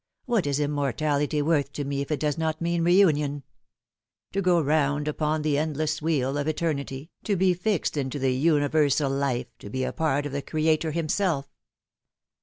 " What is immortality worth to me if it does not mean reunion ? To go round upon the endless wheel of eternity, to be fixed into the universal life, to be a part of the Creator Himself